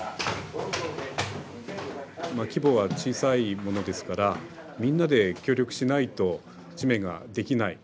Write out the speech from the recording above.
規模は小さいものですからみんなで協力しないと紙面ができない。